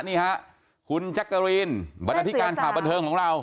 นี่ฮะคุณแจ๊กกะรีนบรรณาธิการข่าวบันเทิงของเรา